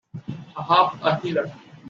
A half a heelot!